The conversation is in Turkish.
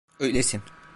Öylesin.